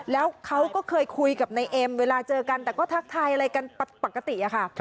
แล้วเขาก็เคยคุยกับนายเอ็มเวลาเจอกันแต่ก็ทักทายอะไรกันปกติอะค่ะ